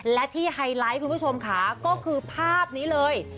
และที่ไฮไลท์คุณผู้ชมค่ะก็คือภาพนี้เลย